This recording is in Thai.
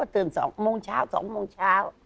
ตื่น๒โมงเช้า๒โมงเช้า